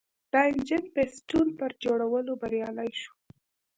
د انجن پېسټون پر جوړولو بریالی شو.